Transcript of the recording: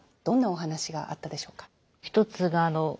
どんなお話があったでしょうか。